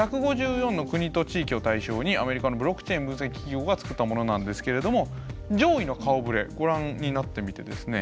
１５４の国と地域を対象にアメリカのブロックチェーン分析企業が作ったものなんですけれども上位の顔ぶれご覧になってみてですね